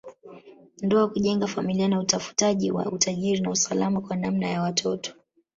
Ndoa kujenga familia na utafutaji wa utajiri na usalama kwa namna ya watoto